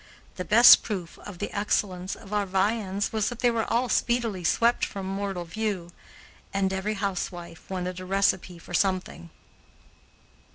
The best proof of the excellence of our viands was that they were all speedily swept from mortal view, and every housewife wanted a recipe for something.